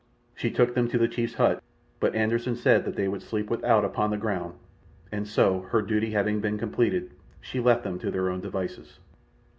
She took them to the chief's hut, but Anderssen said that they would sleep without upon the ground, and so, her duty having been completed, she left them to their own devices.